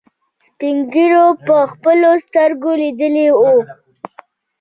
سپينږيرو په خپلو سترګو ليدلي وو.